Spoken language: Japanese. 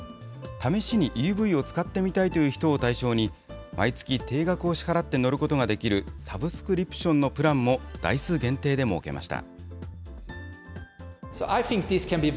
試しにＥＶを使ってみたいという人を対象に、毎月定額を支払って乗ることができるサブスクリプションのプランも台数限定で設けました。